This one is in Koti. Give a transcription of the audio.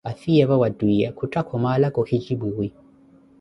Afiyeevo wa ttwiiye kuttha Khomaala khuhijipwiwi